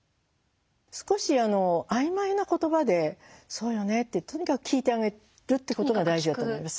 少し曖昧な言葉で「そうよね」ってとにかく聞いてあげるっていうことが大事だと思います。